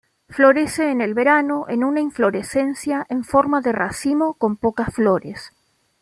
Florece en el verano en una inflorescencia en forma de racimo con pocas flores.